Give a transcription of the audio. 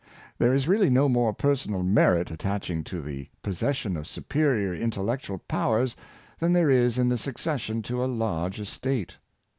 There is really no more personal merit attaching to the pos session of superior intellectual powers than there is in the succession to a large estate.